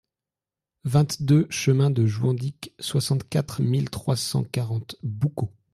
vingt-deux chemin de Jouandic, soixante-quatre mille trois cent quarante Boucau